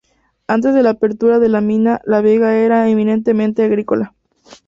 Antes de la apertura de la mina, la vega era eminentemente agrícola.